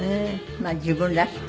まあ自分らしく。